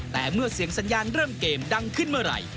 แต่เมื่อเสียงสัญญาณเริ่มเกมดังขึ้นเมื่อไหร่